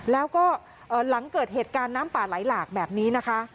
แล้วก็หลังเกิดเหตุการณ์น้ำป่าไหลหลากแบบนี้นะคะ